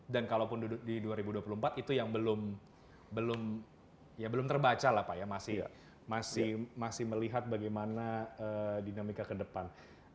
dan kalaupun di dua ribu dua puluh empat itu yang belum terbaca lah pak masih melihat bagaimana dinamika ke depan